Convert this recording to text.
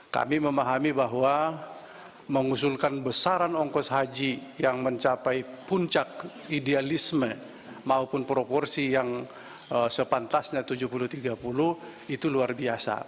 kami memahami bahwa mengusulkan besaran ongkos haji yang mencapai puncak idealisme maupun proporsi yang sepantasnya tujuh puluh tiga puluh itu luar biasa